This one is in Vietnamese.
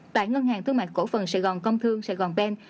tại ngân hàng thương mại cổ phần sài gòn công thương sài gòn pen